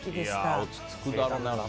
落ち着くだろうな。